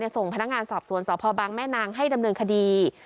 ส่งพนักงานสอบสวนสพบังแม่นางให้ดำเนินคดี